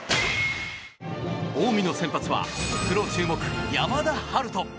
近江の先発はプロ注目、山田陽翔。